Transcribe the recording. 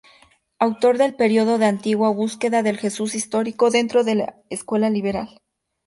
Autor del periodo de antigua búsqueda del Jesús histórico, dentro de la "Escuela Liberal".